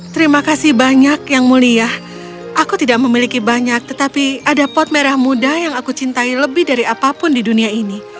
terima kasih banyak yang mulia aku tidak memiliki banyak tetapi ada pot merah muda yang aku cintai lebih dari apapun di dunia ini